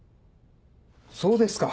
そうですか！